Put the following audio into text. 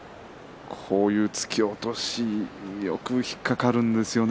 こういう突き落としによく引っ掛かるんですよね